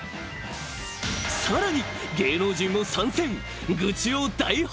［さらに芸能人も参戦］